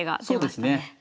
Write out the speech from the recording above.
そうですね。